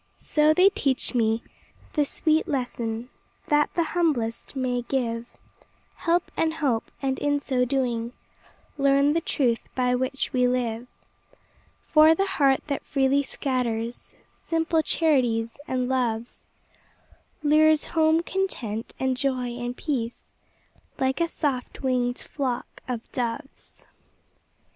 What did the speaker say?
So, they teach me the sweet lesson, That the humblest may give Help and hope, and in so doing, Learn the truth by which we live; For the heart that freely scatters Simple charities and loves, Lures home content, and joy, and peace, Like a soft winged flock of doves.